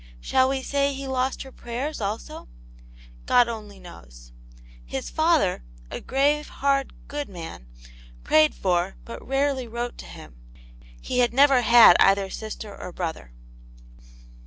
Shall we say he lost her prayers, also ? God only knows. His father, a grave, hard, good man, prayed for, but rarely wrote to him ; he had never had either sister or brother.